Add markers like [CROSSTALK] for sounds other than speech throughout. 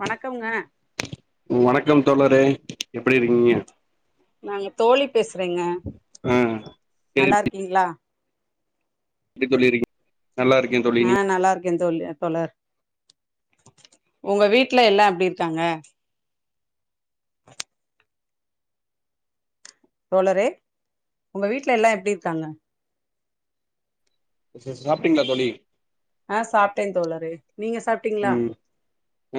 வணக்கம்ங்க வணக்கம் தோழரே எப்டி இருக்கீங்க நாங்க தோழி பேசுறேங்க ஆ நல்லா இருக்கீங்களா எப்டி தோழி இருக்கீங் நல்லா இருக்கேன் தோழி நீ ஆ நல்லா இருக்கே தோழி அ தோழர் உங்க வீட்ல எல்லா எப்டி இருக்காங்க தோழரே உங்க வீட்ல எல்லா எப்டி இருக்காங்க [UNINTELLIGIBLE] சாப்ட்டீங்களா தோழி ஆ சாப்ட்டேன் தோழரே நீங்க சாப்ட்டீங்களா ம்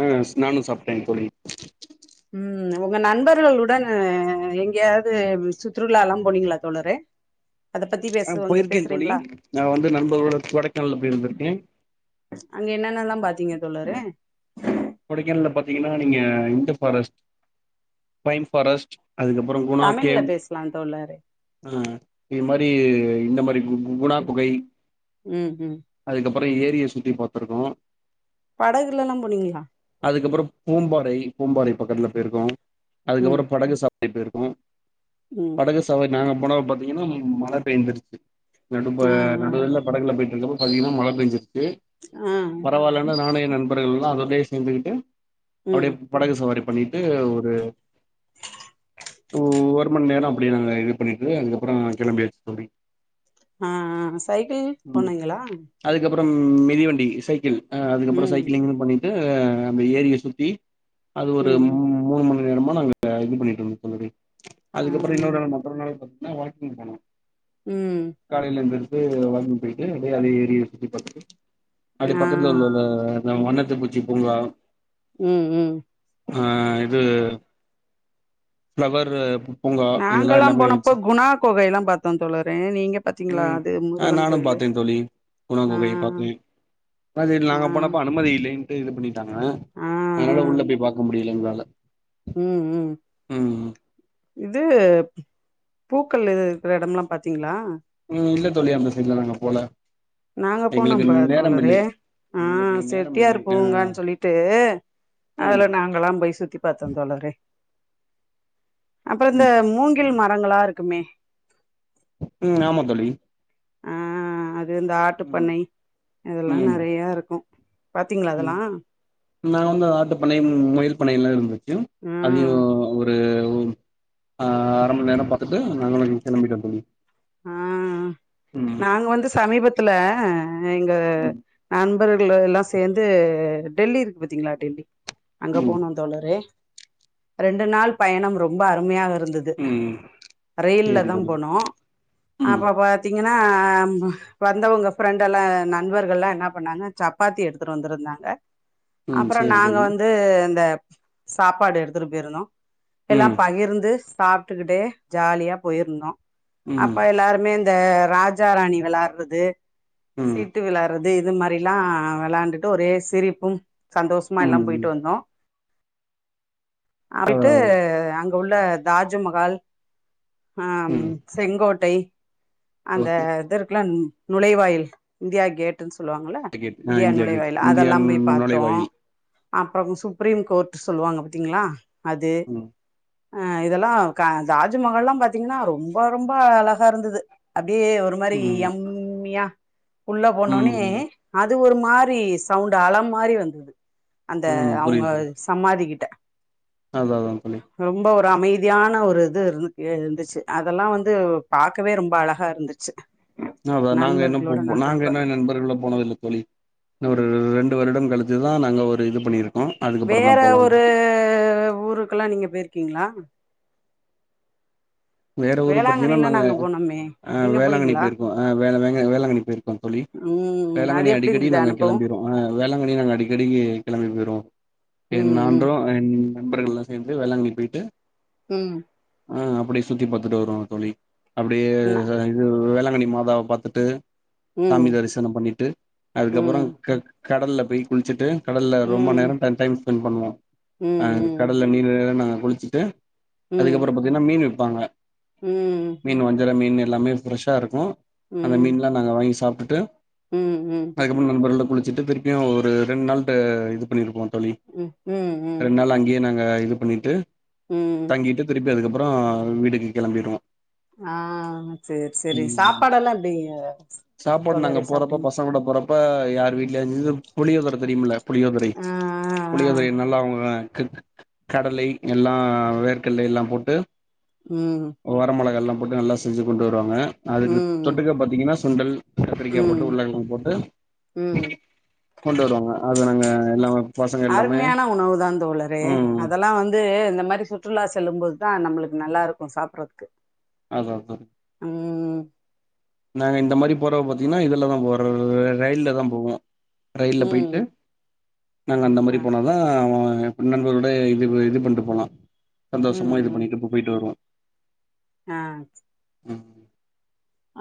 ஆ ஸ் நானும் சாப்ட்டேங் தோழி ம் உங்க நண்பர்களுடன் எங்கேயாவது சுற்றுலா ல்லாம் போனீங்களா தோழரே அத பத்தி ஆ பேசுவாங்க போயிருக்கேன் தோழி பேசுறீங்களா நான் வந்து நண்பர்களோட கொடைக்கானல போயிருந்திருக்கேன் தீங்க தோழரே கொடைக்கானல பாத்தீங்கன்னா நீங்க இந்த ஃபாரஸ்ட் பைன் ஃபாரஸ்ட் அதுக்கப்புறம் குணா தமிழ்ல கேவ் பேசலா தோழரே ஆ இது மாரி இந்த மாரி கு குணா குகை ம் ம் அதுக்கப் அப்புறோ ஏரிய சுத்தி பாத்துருக்கோம் படகுல ல்லா போனீங்களா அதுக்கப்புறோ பூம்பாறை பூம்பாறை பக்கத்ல போயிருக்கோ ம் அதுக்கப்புறோ படகு சப் ரி பேய்ருக்கு ம் படகு சவாரி நாங்க போன பாத்தீங்கன்னா மழ பெந்துருச்சு நடு ப ஆ ஆ நடுவுல படகுல போயி அதுக்கப்புறோ பாத்திங்கன்னா மழை பேஞ்சி து ஆ பரவால்லன்னு நானு என் நண் பர்கள்ல்லா அதோடயே சேந்துகிட்டு அப்படியே ம் படகு சவாரி பண்ணிட்டு ஒரு ஓ ஒரு மண் நேரோ அப்டியே நாங்க இது பண்ணிட்டு அதுக்கப்புறோ கிளம்பியாச்சு தோழி ஆ ஆ சைக்கிள் போனிங்களா அப்புறம் மிதிவண்டி சைக்கிள் அ அதுக்கப்புறோ ம் சைக்கிளிங்ல்லா பண்ணிட்டு எ அந்த ஏரிய சுத்தி அது ஒரு ம் மூ மூண் மண் நேரமா நாங்க இது பண்ணிட்டு இருந்தோ தோழரே ஆ அதுக்கப்புறோ இன்னொரு நாள் மற்றொரு நாள் பாத் நா வொர்கிங் போனோ ம் காலைல எந்திரிச்சு பாத்ரூம் போயிட்டு அப்டியே அந்த ஏரிய சுத்தி பாத்துட்டு அப்டியே ஆ பக்கத்துல [INAUDIBLE] நம் வண்ணத்துப்பூ ச்சி பூங்கா ம் ம் ஆ இது ஃப்ளவர் பூங்கா இதெல்லா நாங்கெல்லாம் எல்லாமே போனப்போ இருந்துச்சு குணா குகை எல்லாம் பாத்தோன் தோழரே நீங்க பாத்தீங்களா ம் அது ஆ முருகன் நானு கோயிலு பாத்தே தோழி குணா ஆ குகைய பாத்தே ஆ தேயிலை பன்னீர் [UNINTELLIGIBLE] அதனால உள்ள போய் பாக்க முடியலங்கலா லே உம் உம் இது பூக்கள் எ இருக்கற எடம்ல்லா பாத்தீங்ளா உம் இல்ல தோழி அந்த சைட்லா நாங்க போல நாங்க போனோ எங்களுக்கு பா நேரம் இல்லை தோளரே ஆ எங்களுக்கு நேரம் இல்லை செட்டியாரு ஆ பூங்கான்னு சொல்லிட்டு ம் அதுல நாங்கல்லா போய் சுத்தி பாத்தோ தோளரே அப்றோ இந்த ம் மூங்கில் ம ரங்களா இருக்குமே ம் ஆமா தோழி ஆ அது இது இந்த ஆட்டு ம் பண்ணை இதெல்லா நெறையா இருக்கு பாத்தீங்களா உம் அதெல்லா நா வந்து ஆட்டு பண்ண முயல் [UNINTELLIGIBLE] இருந்தது ம் ஆ அதியு ஒரு [UNINTELLIGIBLE] அர மண் நேரோ பாத்துட்டு நாங்களு கிளம்பிட்டோ தோழி ஆ ம் நாங்க வந்து சமீபத்துல அ எங்க ம் ஹேன் நண்பர்கள் எல்லா சேந்து டெல்லி இருக்கு பாத்தீங்களா டெல்லி அங்க ம் போனு தோளரே ரெண்டு நாள் பயணோ ரொம்ப அருமையாக இருந் ருந்தது ம் ரயில்ல சேரி தா தோழி போனோ ம் அப்ப பாத்திங்க் தீங்கன்னா வந்தவங்க ஃப்ரெண்ட் எல்லா நண்பர்கள்லா என்ன பண்ணாங்க சப்பாத்தி எடுத்துட்டு வந்திருந்தாங்க ம் அப்றோ சேரி நாங்க தோழி வந்து இந்த சாப்பாடு எடுத்துட்டு போயிருந்தோ எல்லா ம் பகிர்ந்து சாப்பிட்டுக்கிட்டே ஜாலியா போயிருந்தோ ம் அப்ப எல்லாருமே இந்த ராஜ ராணி வெளாடறது ம் சீட்டு விளாறது இது இது மாரிலா வெளையாண்டுட்டு ஒரே சிரிப்பு சந்தோஷமா எல்லா ம் போயிட்டு வந்தோ ஆ போய்ட்டு அங் உள்ள தாஜ்மகால் ஆம் ம் செங்கோட்டை அந்த ஓகே இதிர் கல்ல நுழைவாயில் இந்தியா கேட்ன் சொ ல்லுவாங்கள்ள கேட் ஆ இந்தியா நுழை கேட் வாயில் இந்தியா அதெல்லாம் போய் பாத்தோ நுழைவாயில் அப்புறம் சுப்ரீம் கோர்ட் சொல்லுவாங்க பாத்தீங்களா அது ம் அ இதெல்லா தாஜ்மகால் எல்லா பாத்தீங்கன்னா ரொம் ரொம்ப ரொம்ப அழகா இருந்தது அப் அப்டியே ஒரு மாரி ம் யம்மியா உள்ள போனொன்னே ம் அது ஒரு மாரி சவுண்ட் அல மாரி வந்துது அந்த ம் அவங்க புரியுது சமாதி அதா அதா தோழி அமைதியான ஒரு இது இரு இருந்துச்சு அ அதெல்லா வந்து பாக்கவே ரொம்ப அழகா இருந்துச்சு அதா நாங்க இன்னு போ நண்பர்களோட நா நாங்க போனப்ப இன்னு நண்பர்களோட போனதில்ல தோழி இன்னு ஒரு ரண்டு வருடங் கழி த்துதா நாங்க ஒரு இது பண்ணிரு வேற ஒரு ஊருக்கெல்லா நீங்க போயிரு கிங்ளா வேற ஊரு பாத்தீங்கன்னா வேளாங்கண்ணிலா நாங்க போனோமே ஆ நீங்க வேளாங்கண்ணி போனீங்களா போயிருக்கோ அ வே வே வேளாங்கண்ணி போயிருக்கோ தோழி ம் அது வேளாங்கண்ணி எப்டி அடிக்கடி இருந்தது நாங்க அனுபவோ கிளம்பிர்வோ அ வேளாங்கண்ணி நாங்க அடிக்கடிக்கு கெளம்பி போயிருவோ என் ம் நான்று என் நண்பர்கள் எல்லா சேந்து வேளாங்கண்ணி போயிட்டு ம் ஆ அப்பிடி சுத்தி பாத்துட்டு வருவோ தோழி அப்டியே நா இது வேளா ங்கன்னி மாதாவ பாத்துட்டு ம் சாமி தரிசனம் பண்ணிட்டு அதுக்கப்புற ம் க கடல்ல போய் குளிச்சிட்டு கடல்ல ரொம்ப நேர ம் டம் டைம் ஸ்பென்ட் பண்ணுவோ ம் அ ம் கடல்ல [UNINTELLIGIBLE] குளிச்சுட்டு ம் அதுக்கப்புற பாத்தீங்ன்னா மீனு விப் பாங்க ம் மீனு வஞ்சற மீன்னு எல்லாமே ஃப்ரெஷ்ஷா இருக்கு ம் அந்த ம் மீன்ல்லா நாங்க வாங்கி சாப் ட்டுட்டு ம் அதுக்கப்பற நண்பர்களோட குளிச்சிட்டு திருப்பியு ஒரு ரெண்டு நாள்ட்ட இது பண்ணிருப்போ தோழி ம் ம் ம் ரெண்டு நாள் அங்கயே நாங்க ஆ இது பண்ணிட்டு ம் தங்கிட்டு திருப்பி அதுக்கப் அப்பறோ வீட்டுக்கு கெளம்பிருவோ ஆ சேர் சேரி ம் சாப்பாடெல்லா எப்டி சாப்பாடு நாங்க தோழரே போறப்போ சாப்ட்டீங்க பசங்களுட போறப் ப்ப யார் வீட் ல்ல இந்த புளியோதர தெரியும்ல புளியோதரை ஆ ஆ ஆ புளியோதரை நல்லா அவுங்க க் கு கடலை எல்லா வேர்கல்லையெல்லா போட்டு ம் வர மொளகால்லா போட்டு நல்லா செஞ்சி கொண்டு வருவாங்க அதுக்கு ம் தொட்டுக்க பாத்தீங்கன்னா சுண்டல் கத்திரிக்கா போட்டு ம் உருளக்கழங்கு போட்டு ம் கொண்டு வருவாங்க அத நாங்க எல்லாரு அருமையான உணவு தா தோழரே ம் அதெல்லா வந்து இந்த மாரி சுற்றுலா செல்லும் போதுதா நம்மளுக் நல்லாருக்கு சாப்புறதுக்கு அதா அதா ம் நாங்க இந்த மாரி போறத பாத்தீங்கன்னா இதுலதா போறது ரயில்ல தா போவோ ரயில்ல ம் போயிட்டு நாங்க அந்த ஆ மாரி போன தா அவ அ பின் நண்பர்களோட இது இது பண்ட்டு போலா ம் சந்தோஷம இது ம் பண்ணிட்டு போ போயிட்டு வருவோ ஆ ம்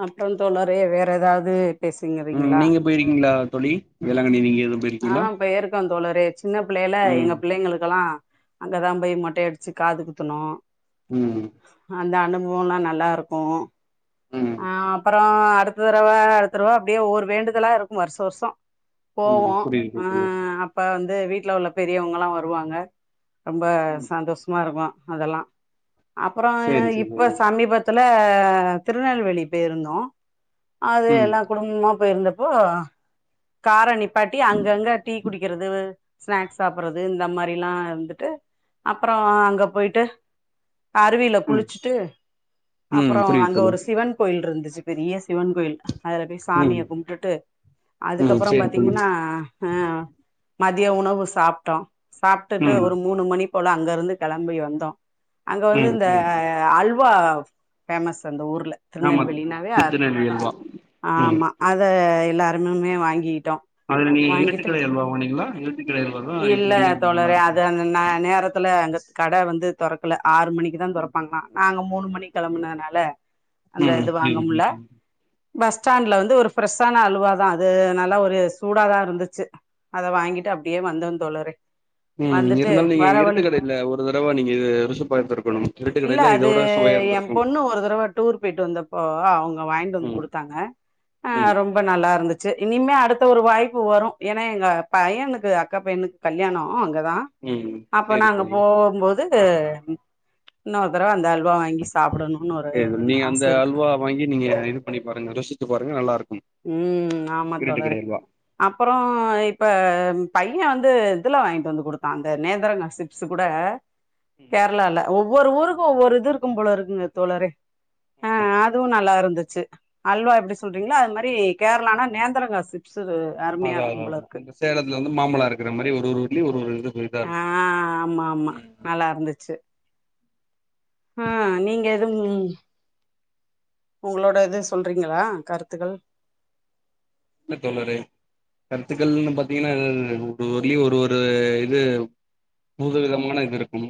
அப்றோ தோழரே வேற ஏதாவுது ம் நீங்க போயிருக்கீங்களா தோழி வேளாங்கண்ணி நீங்க எதுவு அ போயிருக்கீங்களா பெய்ருக்கோ தோழரே சின்ன புள்ளேல ம் எங்க புள்ளைங்களுக்கெல்லா அங்கதா பேய் மொட்டை அடிச் ச்சி காதுகுத்துணோ ம் அந்த அனுபோவம்லா நல்லாருக்கு ம் அ அப்பறோ அ அடுத்த தரவ அடுத்த தரவ அப்டியே ஒவ்வொரு வேண்டுதலா இருக்கு வர்ஷோ வர்ஷோ ம் போவோ புரியுது புரியுது அ தோழி அப்ப வந்து வீட் வீட்ல உள்ள பெரியவங்கலா வருவாங்க ரொம்ப ம் சந்தோஷமாருக்கு அதெலாம் அப்பறம் சேரி சேரி இப்ப தோழி சமீபத்துல ஆஹ திருநெல்வேலி பேயி இருந்தோம் அது ம் எல்லாம் குடும்பமா போயிருந்தப்போ கார நிப்பாட்டி அங்கங்க டீ குடிக்கிறது ஸ்நாக்ஸ் சாப்பிடறது இந்த மாரி ல்லாம் இருந்துட்டு அப்புறம் அங்க போயிட்டு அருவியில ம் குளிச்சிட்டு ம் அப்பறம் புரியுது அங்க தோழி ஒரு கோயில் இருந்துச்சு பெரிய சிவன் கோயில் தான் அதுல பேய் சாமிய ம் கும்டுட்டு ம் அதுக்கப்பறம் சேரி தோழி பாத்தீங்கன்னா அஹ் மதிய உணவு சாப்டோம் சாப்டுட்டு ம் ஒரு மூணு மணிப் போல அங்கயிருந்து கிளம்பி வந்தோம் அங்க வந்து ம் இந்த சேரி தோழி அல்வா ஃபேமஸ் அந்த ஊர்ல் ஆமா திருநல்வேலினாவே திருநெல்வேலி அல்வாதான் அல்வா ம் ஆமா அத எல்லாரும்மமே வாங்கிட் ட்டோம் அதுல நீங்க வாங்கிட்டு இரட்டுக்கடை அல்வா வாங்குனீங்களா இரட்டுக்கடை அல்வா தா இல்ல இப்ப நல்லா தோழரே இருக்கு அது அந்த நேரத்துல அங்க கட வந்து தொறக்கல ஆறு மணிக்கு தான் தொரப்பாங்களாம் நாங்க மூண் மணிக் கிளம்பனதனால அந்த ம் இது வாங்க புரியுது முட்ல புரியுது தோழி பஸ் ஸ்டாண்ட்ல வந்து ஒரு ப்ரெஷ்ஷான அல்வா தான் அது நல்லா ஒரு சூடாதான் இருந்துச்சு அத வாங்கிட்டு அப்டியேவந்தோம் தோழரே ம் வந்துட்டு இருந்தாலும் நீங்க வர வழி இருட்டுக்கடையில ஒரு தடவ நீங்க இது ருசி பார்த்திருக்கணும் இல்ல இருட்டுக்கடையில அது இதவிட சுவையா இருந்திருக்கும் ட்டு வந்தப்போ அவங்க வாங்கிட்டு வந்து குடுத்தாங்க அ ம் ரொம்ப நல்ல இருந்துச்சு இனிமே அடுத்த ஒரு வாய்ப்பு வரும் ஏன்னா எங்க பையனுக்கு அக்கா பையனுக்கு கல்யாணம் அங்கதான் ம் அப்ப சேரி நாங்க தோழி போகும்போது இன்னோரு தடவ அந்த அல்வா வாங்கி சாப்டணுனு ஒரு சரி, என் நீங்க ஆச அந்த இருக்கு அல்வா வாங்கி நீங்க இது பண்ணி பாருங்க பாருங்க நல்லா இருக் ம் ஆமா தோழரே அப்பறம் இப்ப பையன் வந்து இதுல வாங்கிட்டு வந்து கொடுத்தா அந்த நேந்திரங்கா சிப்ஸ் கூட ம் கேரளால ஒ ஒவ்வொரு ஊருக்கு ஒவ்வொரு இதுருக்கு போல இருக்குங்க தோழரே அ அதுவு நல்லாயிருந்துச்சு அல்வா எப்டி சொல்றீங்களோ அ ப்டி கேரளானா நேந்தரங்க சிப்ஸு அருமையா அதா அதா இருக்கும் போல அதா இருக்கு நம்ப சேலத்துல வந்து மாம்பழ இருக்கிற மாரி ஒரு ஒரு ஊர்லியு ஒரு ஒரு இது இதா ஆ இருக்கு ஆமா ஆமா நல்லாருந்துச் சு ஆ நீங்க எதும் ஒங்களோட இது சொல்றீங்களா கருத்துகள் இல்ல தோழரே கருத்துக்கள்ன்னு பாத்தீங்கன்னா [UNINTELLIGIBLE] ஒரு ஒரு இது பூத விதமான இது இருக்கும்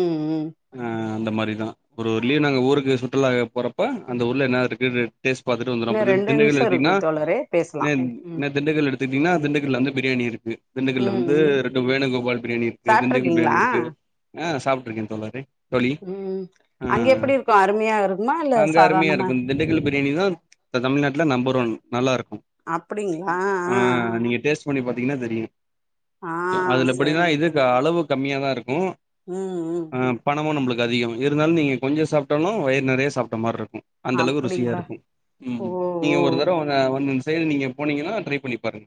ம் ம் ஆ அந்த மாரிதா ஒரு ஒரு லீவ் நாங்க ஊருக்கு சுற்றுலாக போறப்ப அந்த ஊர்ல என்ன இருக்கு டேஸ்ட் பாத்துட்டு வந்துருவ இன்னு அப்ப திண் ரெண்டு திண்டுக்கல் நிமிஷோ இருக்கு எடுத்தீங்கன்னா தோழரே பேசலா ந ம் ந திண்டுக்கல் எடுத் ட்டிங்கன்னா திண்டுக்கல்ல அந்த பிரியாணி இருக்கு திண்டுக்கல்ல ம் வந்து ம் ரெண்டு வேணுகோபால் பிரியாணி இருக்கு திண்டுக்கல் பிரியாணி சாப்ட்ருக்கீங்களா இருக்கு ஆ சாப்ட்டுருக்கே தோழரே தோழி ம் ஆ அங்க ஆ எப்டி இருக்கு அருமையா இருக்குமா இல்ல அங்க சாதாரணமா அருமையாருக்கு திண்டுக்கல் பிரியாணி தா தமிழ்நாட்டுல நம்பர் [UNINTELLIGIBLE] நல்லாருக்கு அப்படிங்களா ஆ ஆ தீங்கன்னா தெரியு ஆ ஆ அதுல எப்படின்னா சரிங்க இதுக்கு அளவுக் கம்மியாதாருக் ம் ம் ம் ஆ பணமு நம்பளுக்கு அதிக இருந்தாலு நீங்க கொஞ்சோ சாப்ட்டாலு வயிறு நெறைய சாப்ட்ட மாரியிருக் கு அந்தளவு அப்டிங்களா ருசியாருக்கு ம் ஓ ம் ஓ நீங்க ஓ ஒரு தடவ வாங்க [UNINTELLIGIBLE] சைடு நீங்க போனீங்கனா ட்ரை பண்ணிப்பாருங்க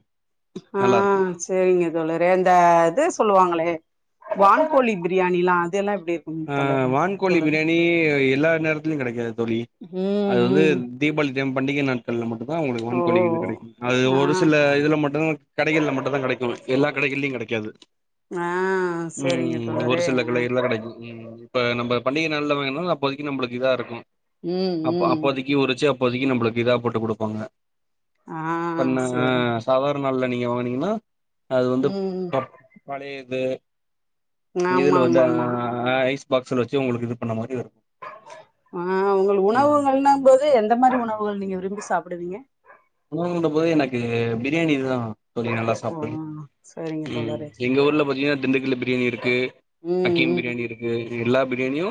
ஆ ஆ சேரிங்க தோழரே இந்த இது சொல்லுவாங்களே வான்கோழி பிரியாணிலா இதெல்லா எப் ஆ வான்கோழி பிரியாணி எல்லா நேரத்துலையு கெடைக்காது தோழி ம் அது வந்து ம் தீபாளிக் [UNINTELLIGIBLE] பண்டிக நாட் கள்ல மட்டு தா உங்களுக்கு ஓ வான்கோழி இது கெடைக்கு அது ஆ ஒரு சில இதுல மட்டுதா கடைகள்ல மட்டு தா கெடைக்கு எல்லா கடைகள்லியு கெடைக்காது ஆ செரிங்க ம் ஒரு தோழரே சில ஆ கடைகள்ல கெடைக்கு ம் இப்ப நம்ப பண்டிக நாள்ல வாங்குனாலு அப்போதைக்கு நம்பளுக்கு இதா இருக்கு ம் அப்ப ம் அப்போதைக்கு உரிச்சி அப்போதைக்கு நம்புளுக்கு இதா போட்டுக் குடுப்பாங்க ஆ இப்பண்ண சேரிங்க சாதாரண நாள்ல நீங் நீங்க வாங்னீங்கனா அது வந்து ம் பர் பழையது இங்க ஆமா இதுல ஆமா வந்தா ஆமா ஆ ஐஸ் பாக்ஸ்ல வச்சு உங்களுக்கு இது பண்ண மாரி வரு ஆ உங்கள் ம் உணவுகள்னாங் போது எந்த மாரி உணவுகள் நீங்க விரும்பி சாப் ப்டுவீங்க உணவுன்ற போது எனக்கு பிரியாணி இதுதா தோழி நல்லா ஓ சாப்டுவே சேரிங்க ம் தோழரே எங்க ஊர்ல பாத்தீங்கனா திண்டுக்கல் பிரியாணி இருக்கு ம் அக்கீம் ம் பிரியாணி இருக்கு எல்லா பிரியாணியு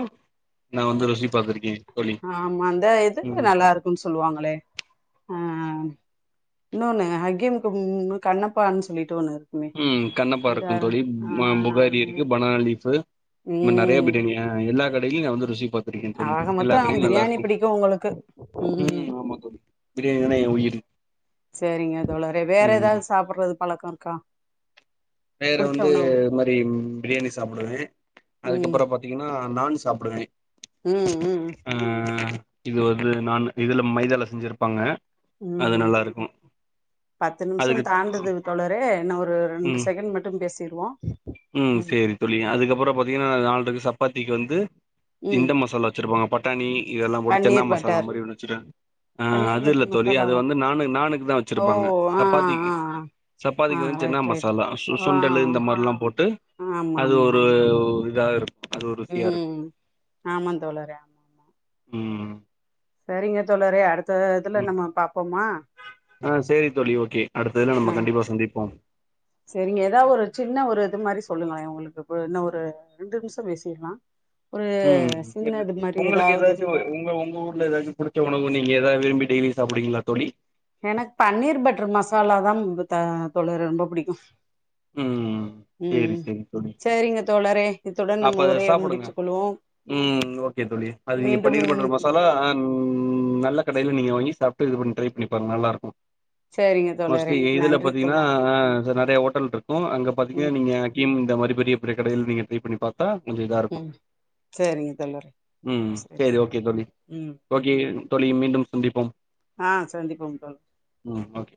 நா வந்து ருசி பாத்திருக்கே தோழி ஆமா அந்த இது ம் நல்லா இருக்குன் சொல்லுவாங்களே அ இன்னொன்னு ஹக்கிம்குமு கண்ணப்பான் சொல்லிட்டு ஒண்ணு இரு ம் கண்ணப்பாருக்கு தோழி ம புகாரி இருக்கு பனா லீப்பு இந் மார் நெறைய ம் பிரியாணி ஆ எல்லா கடை டெய்லியு நா வந்து ருசி பாத்திருக்கே தோழி ஆக எல்லா மொத்தோ கடையு நல்லா பிரியாணி இருக்கு பிடிக்கு உங்களுக்கு ம் ஆமா தோழி பிரியாணினா எ உயிர் செரிங்க தோழரே வேற ம் ஏதாவது சாப்றது பழக்கோ கா வேற வந்து இந்த மாரி பிரியாணி சாப்டுவே ம் அதுக்கப்புறோ பாத்தீங்கனா நான் சாப்டுவே ம் ம் இது வந்து நான்னு இதுல மைதால செஞ்சிருப்பாங்க அது ம் நல்லா இருக்கு பத்து நிமிஷோ அதுக்கு தாண்டுறது தோழரே என்ன ஒரு ரெண்டு ம் செகண்ட் மட்டு பேசிருவோ ம் சேரி தோழி அதுக்கப்புறோ பாத்தீங்கனா நால்ரக்கு ச ப்பாத்திக்கு வந்து ம் இந்த மசாலா வச்சிருப்பாங்க பாத் தனி இதெல்லா போட்டு சென்னா பன்னீர் மசாலா பட்டர் மாரி ஒன்ன வச்சன்ஹ் பன்னீர் அது இல்ல பட்டர் தோழி அது மசாலாவா வந்து நான நானக்கு தான் ஓ வச்சிருப்பாங்க ஆ சப்பாத்திக்கு ஆ ஆ சப்பாத்திக்கு வந்து ரைட் ரைட் மசாலா சு ஆ சுண்டலு இந்த மாரில்லா போட்டு ஆமா அது ஆமா ஒரு ஆமா புதிதாக இரு ம் ஆமா தோளறே ம் சரிங்க தோளறே அடுத் இதுல ம் நம்ம பார்ப்போமா ஆ சேரி தோழி ஓகே அடுத்த இதுல நம்ம கண்டிப்பா சந்திப்போம் சரிங்க ஏதாவது ஒரு சின்ன ஒரு இது மாதிரி சொல்லுங்கலே உங்களுக்கு இ இன்னும் ஒரு ரெண்டு நிமிஷம் பேசிடலாம் ம் சரி உங்களுக்கு ஏதாச்சும் உங்க உங்க ஊர்ல ஏதாச்சும் புடிச்ச உணவு நீ நீங்க எதாவது விரும்பி டெய்லி சாப்பீடுவிங்களா தோழி எனக்கு பன்னீர் பட்டர் மசாலா தான் தோழரே ரொம்ப பிடிக்கும் ம் சரி சரி தோழி சேரிங்க தோழரே இத்துடன் நம்ம அப்ப உரைய சாப்பிடுங்க முடித்து கொள்வோம் ம் ஓகே தோழி அது நீங்க மீண்டும் பன்னீர் மட்டர் மசாலா ம் ம் நல்ல கடையில் நீங்கள் வாங்கி சாப்பிட்டு இது பண்ணி ட்ரை பண்ணிப்பருங்க நல்லாயிருக்கும் சேரிங்க தோழரே மோஸ்ட்லி இதுல நன்றி பாத்தீங்கன்னா தோழர் இங்க நிறைய ஹோட்டல் இருக்கு அங்க பாத்தீங்கன்னா ம் நீங்க கீ மாதிர பெரிய பெரிய கடைையில் நீங்க ட்ரை பண்ணி பாரு கொஞ்சம் இதா இருக்கும் ம் சேரிங்க தோழரே ம் சேரி சரி ஓகே தோழி ம் ம். ஓகே தோழி மீண்டும் சந்திப்போம் ஆ சந்திப்போம் தோழரே ம் ஆ ஓகே